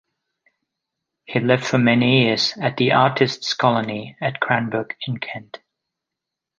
He lived for many years at the artists' colony at Cranbrook in Kent.